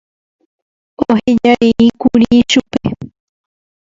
ohejareíkuri ichupe